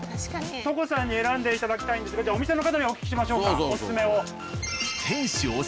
所さんに選んでいただきたいんですがじゃあお店の方にお聞きしましょうかオススメを。